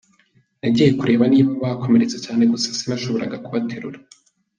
Nagiye kureba niba bakomeretse cyane gusa sinashoboraga kubaterura.